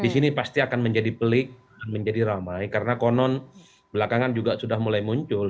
di sini pasti akan menjadi pelik akan menjadi ramai karena konon belakangan juga sudah mulai muncul